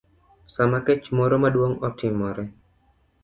Sama kech moro maduong' otimore,